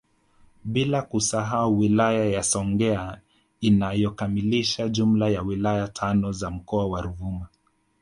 Bila kusahau wilaya ya Songea inayokamilisha jumla ya wilaya tano za mkoa wa Ruvuma